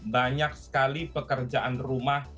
banyak sekali pekerjaan rumah